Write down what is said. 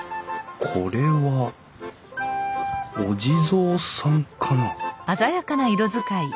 これはお地蔵さんかな？